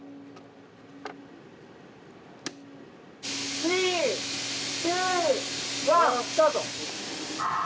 ３、２、１、スタート。